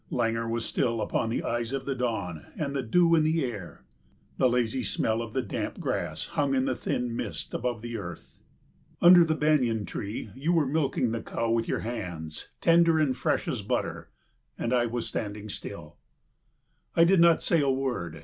Languor was still upon the eyes of the dawn, and the dew in the air. The lazy smell of the damp grass hung in the thin mist above the earth. Under the banyan tree you were milking the cow with your hands, tender and fresh as butter. And I was standing still. I did not say a word.